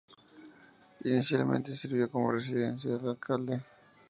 Inicialmente sirvió como residencia del alcalde.